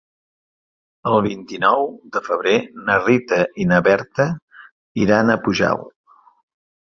El vint-i-nou de febrer na Rita i na Berta iran a Pujalt.